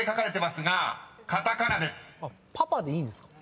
「パパ」でいいんですか？